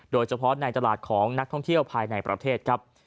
โดยเฉพาะในตลาดของนักท่องเที่ยวภายในประเทศครับ